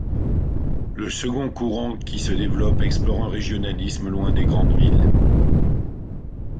Le second courant qui se développe explore un régionalisme loin des grandes villes.